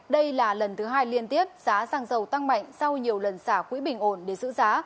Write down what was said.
đây là lần thứ hai liên tiếp giá xăng dầu tăng mạnh sau nhiều lần xả quỹ bình ổn để giữ giá